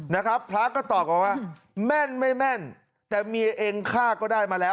นะครับพระก็ตอบกันว่าแม่นไม่แม่นแต่เมียเองฆ่าก็ได้มาแล้ว